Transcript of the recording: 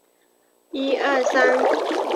此规则为联合包裹服务公司所采用。